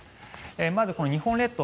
まず日本列島